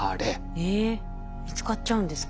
えっ見つかっちゃうんですか？